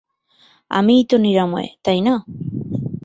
আমিই তো নিরাময়, তাই না?